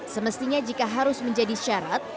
semestinya jika harus menjadi syarat